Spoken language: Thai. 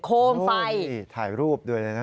โคมไฟนี่ถ่ายรูปด้วยเลยนะ